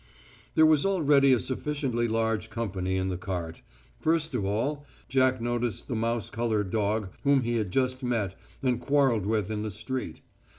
There was already a sufficiently large company in the cart. First of all, Jack noticed the mouse coloured dog whom he had just met and quarrelled with in the street.